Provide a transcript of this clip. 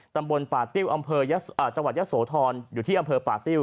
ตำบลป่าติ้วอำเภอจังหวัดยะโสธรอยู่ที่อำเภอป่าติ้ว